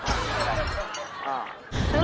ซึ่งอะไรอ่ะโอ้เนื่อย